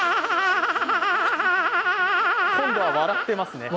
今度は笑っていますね。